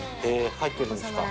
悗А入ってるんですか？